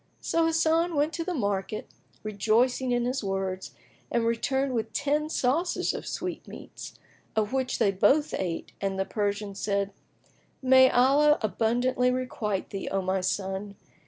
So Hasan went to the market, rejoicing in his words, and returned with ten saucers[FN#19] of sweetmeats, of which they both ate and the Persian said, "May Allah abundantly requite thee, O my son!